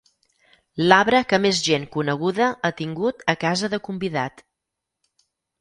L'abre que més gent coneguda ha tingut a casa de Convidat.